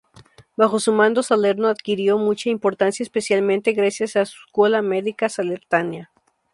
Bajo su mando Salerno adquirió mucha importancia, especialmente gracias a su "Scuola Medica Salernitana".